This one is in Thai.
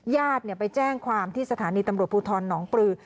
ญาติไปแจ้งความที่สถานีตำรวจภูทรหนองปลือ